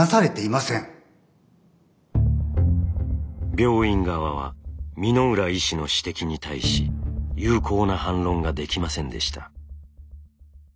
病院側は箕浦医師の指摘に対し有効な反論ができませんでした。